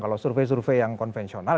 kalau survei survei yang konvensional